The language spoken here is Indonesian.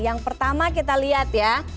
yang pertama kita lihat ya